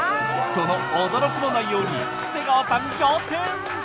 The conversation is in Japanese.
その驚きの内容に瀬川さん仰天！